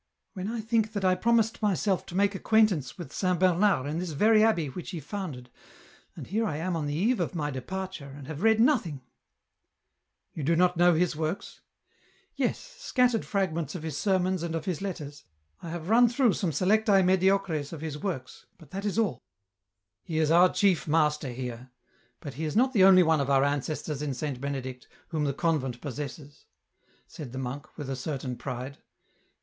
" When I think that I promised myself to make acquain tance with Saint Bernard in this very abbey which he founded, and here I am on the eve of my departure, and have read nothing !"" You do not know his works ?"" Yes ; scattered fragments of his sermons and of his letters. I have run through some selectee mediocres of his works, but that is all." " He is our chief master here ; but he is not the only one of our ancestors in Saint Benedict whom the convent possesses," said the monk with a certain pride.